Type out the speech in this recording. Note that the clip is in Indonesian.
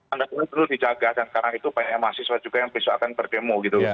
anda semua perlu dijaga dan karena itu banyak mahasiswa juga yang besok akan berdemo